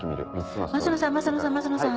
升野さん升野さん升野さん。